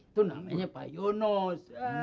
itu namanya pak yonos